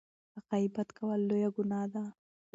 غیبت کول لویه ګناه ده.